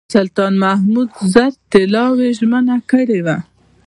سلطان محمود زر طلاوو ژمنه کړې وه.